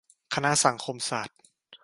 คณะสังคมศาสตร์